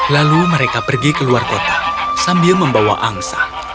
lalu mereka pergi ke luar kota sambil membawa angsa